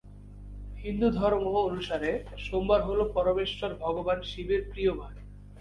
হিন্দুধর্ম অনুসারে সোমবার হলো পরমেশ্বর ভগবান শিবের প্রিয় বার।